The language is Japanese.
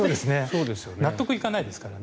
納得いかないですからね。